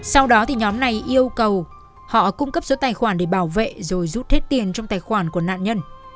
sau đó thì nhóm này yêu cầu họ cung cấp số tài khoản để bảo vệ rồi rút hết tiền trong tài khoản của nạn nhân